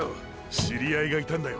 知りあいがいたんだよ